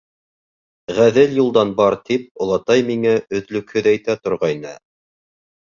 Ғәҙел юлдан бар, тип олатай миңә өҙлөкһөҙ әйтә торғайны.